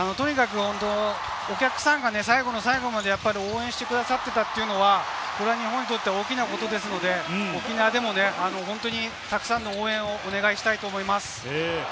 お客さんが最後の最後まで応援してくださっていたというのは日本にとって大きなことですので、沖縄でも、たくさんの応援をお願いしたいと思います。